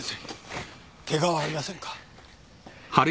ケガはありませんか？